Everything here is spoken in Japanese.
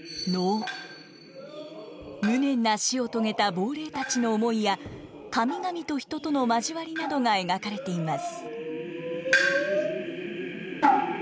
無念な死を遂げた亡霊たちの思いや神々と人との交わりなどが描かれています。